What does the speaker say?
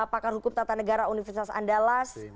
pakar hukum tata negara universitas andalas